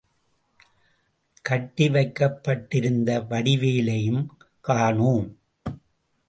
கட்டி வைக்கப் பட்டிருந்த வடிவேலையும் காணோம்.